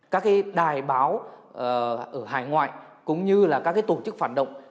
các đài báo ở hải ngoại cũng như là các tổ chức phản động